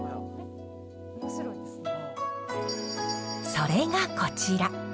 それがこちら。